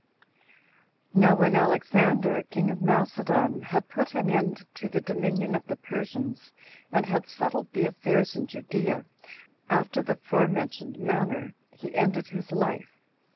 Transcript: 1. Now when Alexander, king of Macedon, had put an end to the dominion of the Persians, and had settled the affairs in Judea after the forementioned manner, he ended his life.